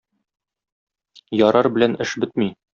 "ярар" белән эш бетми.